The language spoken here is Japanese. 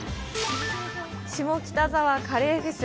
下北沢カレーフェス。